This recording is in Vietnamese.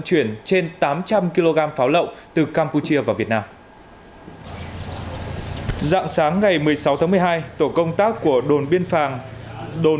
chuyển trên tám trăm linh kg pháo lậu từ campuchia vào việt nam dạng sáng ngày một mươi sáu một mươi hai tổ công tác của đồn